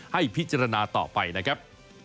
ให้พิจารณาต่อไปนะครับ